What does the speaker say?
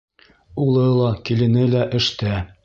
Улы ла, килене лә эштә.